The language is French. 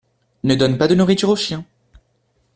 Ne donne pas de nourriture aux chiens.